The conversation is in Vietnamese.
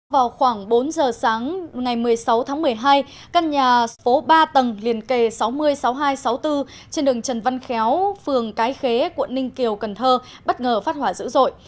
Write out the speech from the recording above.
vào khoảng bốn giờ sáng ngày một mươi sáu tháng một mươi hai căn nhà số ba tầng liền kề sáu mươi sáu nghìn hai trăm sáu mươi bốn trên đường trần văn khéo phường cái khế quận ninh kiều cần thơ bất ngờ phát hỏa dữ dội